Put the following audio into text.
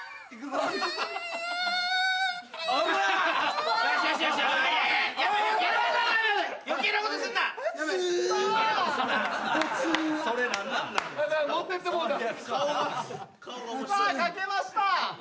さあ書けました。